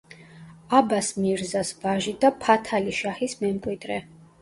აბას-მირზას ვაჟი და ფათალი-შაჰის მემკვიდრე.